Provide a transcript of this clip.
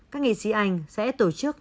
các nghị sĩ anh sẽ tổ chức